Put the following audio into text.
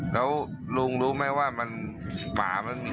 แล้วลุงรู้ไหมว่ามันปากมันไม้ของ